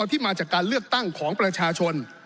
ที่มาจากการเลือกตั้งของประชาชน